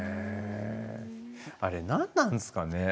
あれ何なんですかね？